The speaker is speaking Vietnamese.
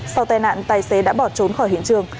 sau tai nạn tài xế đã bỏ trốn khỏi hiện trường